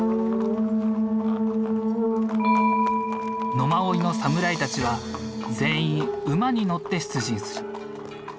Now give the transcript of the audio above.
野馬追の侍たちは全員馬に乗って出陣する。